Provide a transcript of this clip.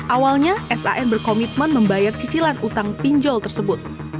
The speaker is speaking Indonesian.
awalnya san berkomitmen membayar cicilan utang pinjol tersebut